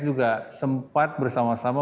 juga sempat bersama sama